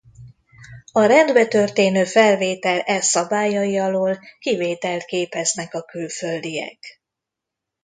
A Rendbe történő felvétel e szabályai alól kivételt képeznek a külföldiek.